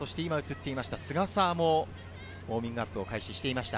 菅澤もウオーミングアップを開始していました。